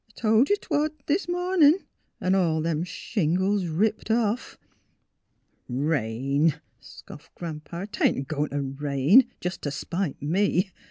I tol' ye 't would this mornin', an 'all them shingles ripped off." " Rain! " scoffed Gran 'pa. '' 'Tain't a goin' t' rain, jes' t' spite me.